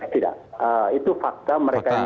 tidak itu fakta mereka yang